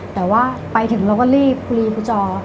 แต่ว่าไปถึงเราก็รีบคุยกับผู้จอ